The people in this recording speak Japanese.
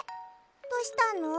どうしたの？